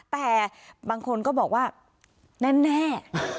แต่บางคนก็บอกว่าแน่